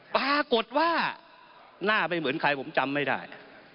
ปรากฏว่าหน้าไม่เหมือนใครผมจำไม่ได้